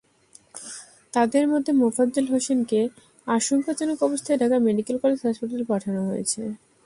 তাঁদের মধ্যে মোফাজ্জল হোসেনকে আশঙ্কাজনক অবস্থায় ঢাকা মেডিকেল কলেজ হাসপাতালে পাঠানো হয়েছে।